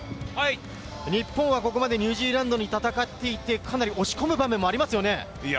日本はここまでニュージーランドと戦って押し込む場面がありますよね。